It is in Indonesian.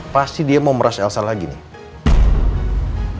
pasti dia mau meras elsa lagi nih